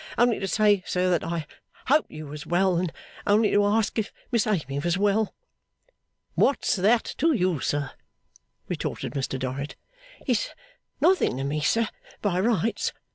Only to say, Sir, that I hoped you was well, and only to ask if Miss Amy was Well?' 'What's that to you, sir?' retorted Mr Dorrit. 'It's nothing to me, sir, by rights.